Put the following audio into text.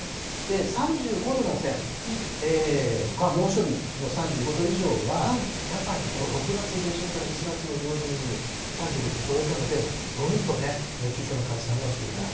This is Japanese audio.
３５度の線、猛暑日、３５度以上は、やっぱり６月下旬から７月の上旬に３５度を超えたので、どんとね、熱中症の患者さんが増えた。